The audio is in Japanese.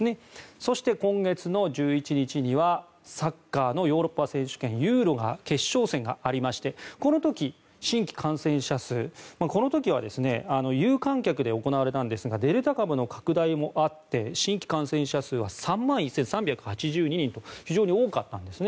そして、今月の１１日にはサッカーのヨーロッパ選手権ユーロの決勝戦がありましてこの時、新規感染者数この時は有観客で行われたんですがデルタ株の拡大もあって新規感染者数は３万１３８２人と非常に多かったんですね。